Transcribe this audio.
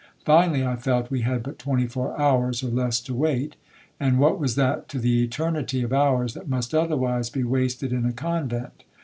Finally, I felt we had but twenty four hours or less to wait, and what was that to the eternity of hours that must otherwise be wasted in a convent.